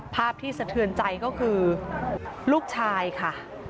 ภาพที่สะเทือนใจก็คือลูกชายค่ะ